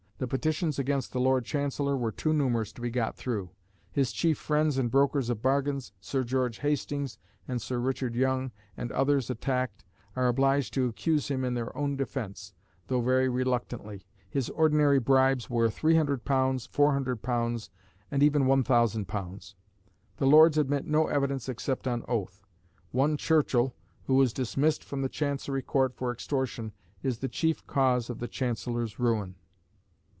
The petitions against the Lord Chancellor were too numerous to be got through: his chief friends and brokers of bargains, Sir George Hastings and Sir Richard Young, and others attacked, are obliged to accuse him in their own defence, though very reluctantly. His ordinary bribes were £300, £400, and even £1000.... The Lords admit no evidence except on oath. One Churchill, who was dismissed from the Chancery Court for extortion, is the chief cause of the Chancellor's ruin."